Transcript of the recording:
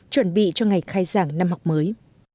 chuẩn bị cho ngày khai giảng năm học mới